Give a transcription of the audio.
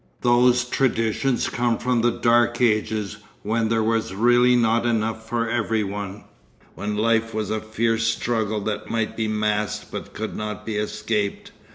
Those traditions come from the dark ages when there was really not enough for every one, when life was a fierce struggle that might be masked but could not be escaped.